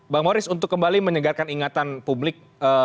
bang moris untuk kembali menyegarkan ingatan publik